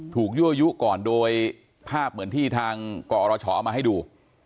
ยั่วยุก่อนโดยภาพเหมือนที่ทางกอรชเอามาให้ดู